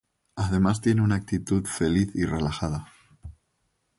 Además tiene una actitud feliz y relajada.